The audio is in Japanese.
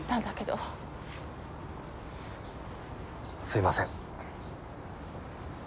すいません。